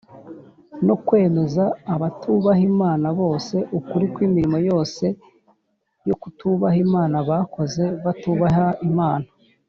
no kwemeza abatubaha imana bose ukuri kw’imirimo yose yo kutubaha imana bakoze batubaha imana